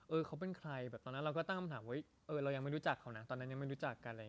เออเขาเป็นใครแบบตอนนั้นเราก็ตั้งคำถามว่าเออเรายังไม่รู้จักเขานะตอนนั้นยังไม่รู้จักกันอะไรอย่างนี้